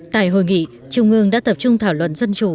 tại hội nghị trung ương đã tập trung thảo luận dân chủ